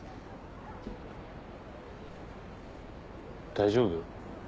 大丈夫？